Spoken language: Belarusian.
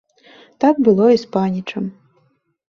Так было і з панічам.